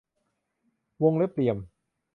วงเล็บเหลี่ยม